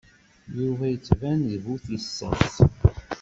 Yuba yettban d bu tissas.